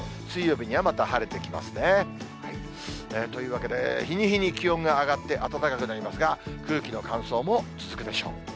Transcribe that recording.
水曜日にはまた晴れてきますね。というわけで、日に日に気温が上がって、暖かくなりますが、空気の乾燥も続くでしょう。